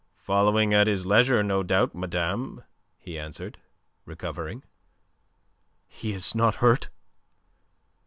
"Following at his leisure, no doubt, madame," he answered, recovering. "He is not hurt?"